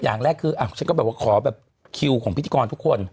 อย่างแรกคือฉันก็แบบว่าขอแบบคิวของพิธีกรทุกคน